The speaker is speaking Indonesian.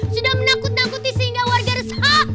sudah menakut nakuti sehingga warga resah